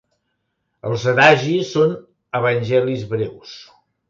Els adagis són evangelis breus.